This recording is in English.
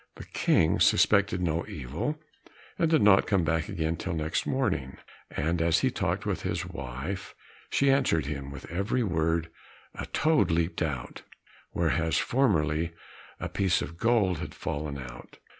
The King suspected no evil, and did not come back again till next morning; and as he talked with his wife and she answered him, with every word a toad leaped out, whereas formerly a piece of gold had fallen out.